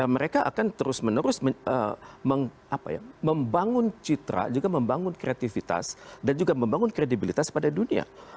mereka akan terus menerus membangun citra juga membangun kreativitas dan juga membangun kredibilitas pada dunia